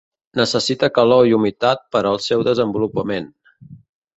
Necessita calor i humitat per al seu desenvolupament.